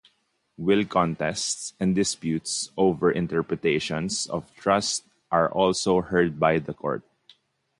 Will contests and disputes over interpretations of trusts are also heard by the Court.